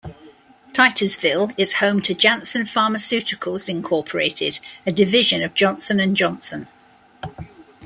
Titusville is home to Janssen Pharmaceuticals Incorporated a division of Johnson and Johnson.